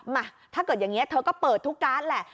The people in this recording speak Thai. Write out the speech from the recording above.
มาถ้าเกิดอย่างนี้ก็ทุกการ์ตแหละ